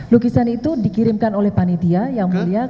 lukisan itu dikirimkan oleh panitia yang mulia